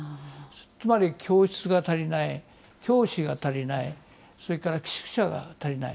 つまり教室が足りない、教師が足りない、それから寄宿舎が足りない。